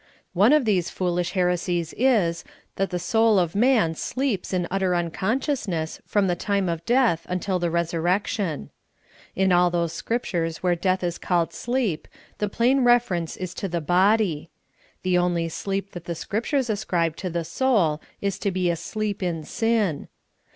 One of these foolish heresies is that the soul of man sleeps in utter unconsciousness from the time of death until the resurrection. '' In all those Scriptures where death is called a sleep, the plain reference is to the body. The only sleep that the Scriptures ascribe to the soul is to be asleep in sin.